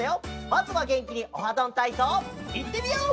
まずはげんきに「オハどんたいそう」いってみよう！